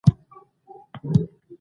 د کلی مشر د شپون حیثیت لري.